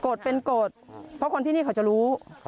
กฏเป็นกฏเพราะคนที่นี่เขาจะรู้